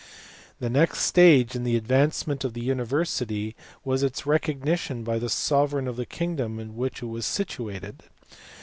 The next stage in the development of the university was iti recognition by the sovereign of the kingdom in which it was situated.